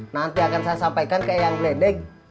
nanti akan saya sampaikan ke eyang gledeg